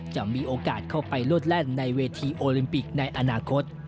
จะมีโอกาสเข้าไปโลดแล่นในเวทีโอลิมปิกในอนาคต